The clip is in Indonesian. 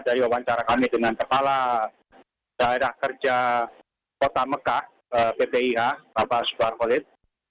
dari wawancara kami dengan kepala daerah kerja kota mekah ppih bapak subar khalid